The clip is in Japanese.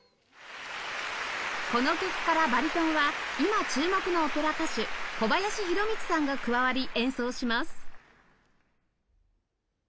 この曲からバリトンは今注目のオペラ歌手小林啓倫さんが加わり演奏します